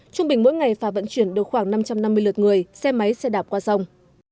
trung bình mỗi ngày phà vận chuyển được khoảng năm trăm năm mươi lượt người xe máy xe đạp qua sông